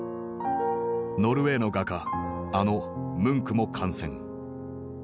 ノルウェーの画家あのムンクも感染。